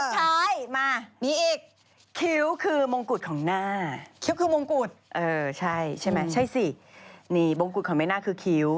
สุดท้ายมานี่อีกคิ้วคือมงกุฎของหน้าใช่ไหมใช่สินี่มงกุฎของแม่หน้าคือคิ้ว